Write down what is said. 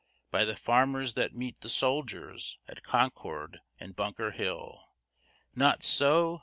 By the farmers that met the soldiers at Concord and Bunker Hill! Not so!